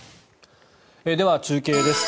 では、中継です。